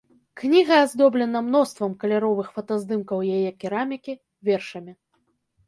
Кніга аздоблена мноствам каляровых фотаздымкаў яе керамікі, вершамі.